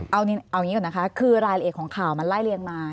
เอาอย่างนี้ก่อนนะคะคือรายละเอียดของข่าวมันไล่เลียงมา